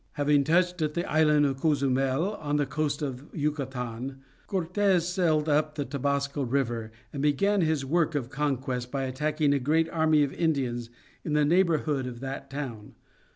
Having touched at the island of Cozumel on the coast of Yucatan, Cortes sailed up the Tabasco River and began his work of conquest by attacking a great army of Indians in the neighborhood of that town.